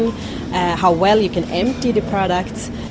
dan seberapa baik bisa kita menghilangkan produk